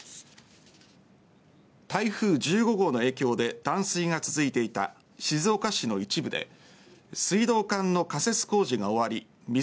台風１５号の影響で断水が続いていた静岡市の一部で水道管の仮設工事が終わり水